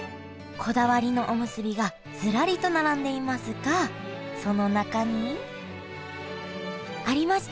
こだわりのおむすびがずらりと並んでいますがその中にありました！